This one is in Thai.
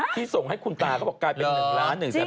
ที่ส่งให้คุณตาเขาบอกกลายเป็น๑ล้าน๑แสน